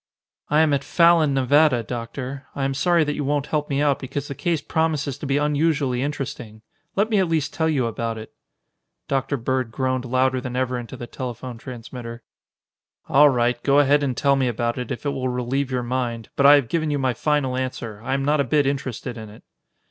"I am at Fallon, Nevada, Doctor. I'm sorry that you won't help me out because the case promises to be unusually interesting. Let me at least tell you about it." Dr. Bird groaned louder than ever into the telephone transmitter. "All right, go ahead and tell me about it if it will relieve your mind, but I have given you my final answer. I am not a bit interested in it."